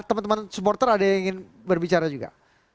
teman teman supporter ada yang ingin berbicara juga